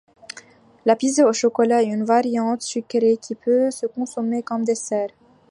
La pizza au chocolat est une variante sucrée qui peut se consommer comme dessert.